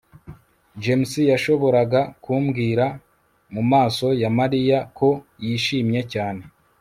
james yashoboraga kubwira mumaso ya mariya ko yishimye cyane